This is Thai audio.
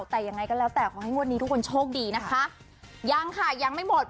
แต่ยังไงก็แล้วแต่ขอให้งวดนี้ทุกคนโชคดีนะคะยังค่ะยังไม่หมด